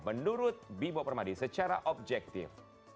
menurut bimo permadi secara objektif